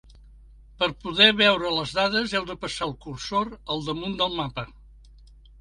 Per poder veure les dades heu de passar el cursor al damunt del mapa.